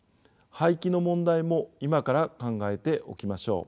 廃棄の問題も今から考えておきましょう。